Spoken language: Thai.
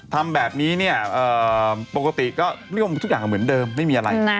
ทำแบบนี้เนี่ยปกติก็นิยมทุกอย่างเหมือนเดิมไม่มีอะไร